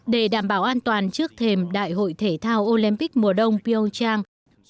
để đảm bảo an toàn trước thềm đại hội thể thao olympic mùa đông pyeongchang